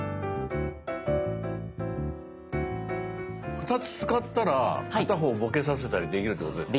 ２つ使ったら片方ボケさせたりできるってことですか？